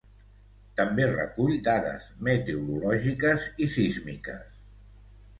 També recull dades meteorològiques i sísmiques.